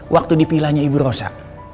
waktu di vilanya ibu rosa